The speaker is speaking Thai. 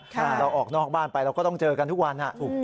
เราออกนอกบ้านไปเราก็ต้องเจอกันทุกวัน